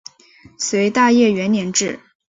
隋大业元年置。